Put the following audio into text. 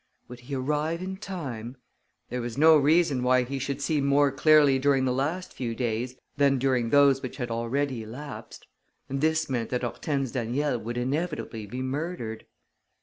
Would he arrive in time? There was no reason why he should see more clearly during the last few days than during those which had already elapsed. And this meant that Hortense Daniel would inevitably be murdered.